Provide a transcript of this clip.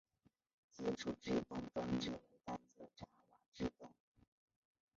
基础制动装置为单侧闸瓦制动。